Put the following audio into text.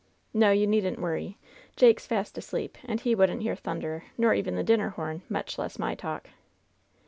No, you needn't worry. Jake's fast asleep, and he wouldn't hear thunder, nor even the din ner horn, much less my talk